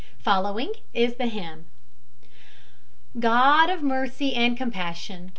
Following is the hymn: God of mercy and compassion!